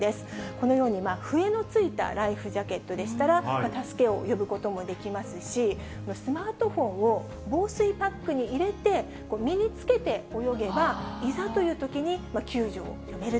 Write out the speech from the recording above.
このように笛のついたライフジャケットでしたら、助けを呼ぶこともできますし、スマートフォンを防水パックに入れて、身につけて泳げば、いざというときに、救助を呼べると。